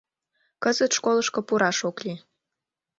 Кызыт школышко пураш ок лий.